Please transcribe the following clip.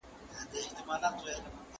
زه له پرون راهيسې کار کوم؟!